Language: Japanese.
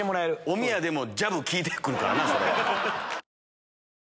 おみやでもジャブ効いて来るからな。